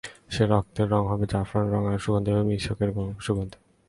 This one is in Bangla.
সে রক্তের রং হবে জাফরানের রং আর তার সুগন্ধি হবে মিশকের সুগন্ধি।